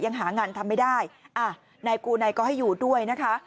ยังหางานทำไม่ได้อ่ะนายกูไนก็ให้อยู่ด้วยนะคะ